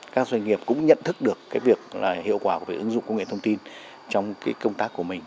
các doanh nghiệp cũng nhận thức được cái việc hiệu quả của việc ứng dụng công nghệ thông tin trong công tác của mình